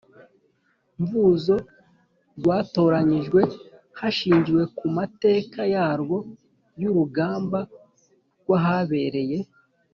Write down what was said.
Mvuzo rwatoranyijwe hashingiwe ku mateka yarwo y urugamba rwahabereye